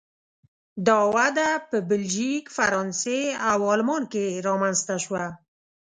دا وده په بلژیک، فرانسې او آلمان کې رامنځته شوه.